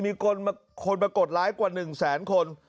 มีคนมากดไลค์กว่า๑แสนคน